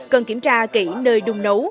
cần kiểm tra kỹ nơi đung nấu